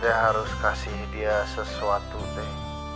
saya harus kasih dia sesuatu teh